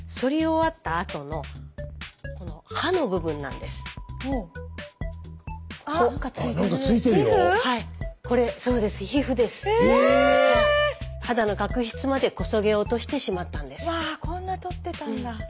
わっこんな取ってたんだ。